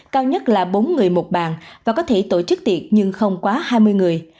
cao nhất là bốn người một bàn và có thể tổ chức tiệc nhưng không quá hai mươi người